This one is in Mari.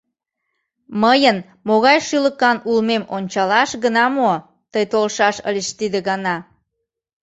Мыйын могай шӱлыкан улмем ончалаш гына мо тый толшаш ыльыч тиде гана?